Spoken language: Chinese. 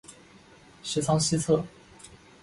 十仓西侧。